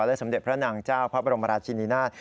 และสมเด็จพระนางเจ้าพระบรมราชินินาศ